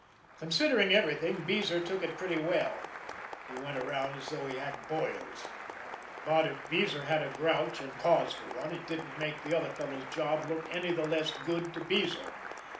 Considering everything, Beezer took it pretty well he went around as though he had boils. But if Beezer had a grouch, and cause for one, it didn't make the other fellow's job look any the less good to Beezer.